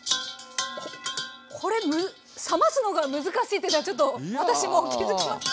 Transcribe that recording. これ冷ますのが難しいというのはちょっと私も気付きません。